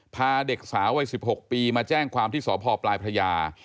พาเด็กสาววัย๑๖ปีมาแจ้งความที่สพปลายพระยา